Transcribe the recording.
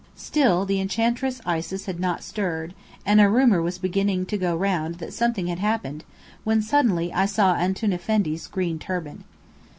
Still, the Enchantress Isis had not stirred, and a rumour was beginning to go round that something had happened, when suddenly I saw Antoun Effendi's green turban.